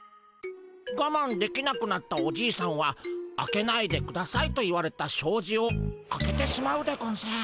ガマンできなくなったおじいさんは「開けないでください」と言われたしょうじを開けてしまうでゴンス。